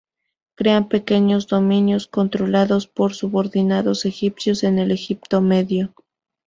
Crean pequeños dominios controlados por subordinados egipcios en el Egipto Medio.